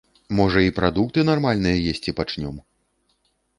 Можа, і прадукты нармальныя есці пачнём!